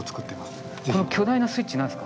この巨大なスイッチ何ですか？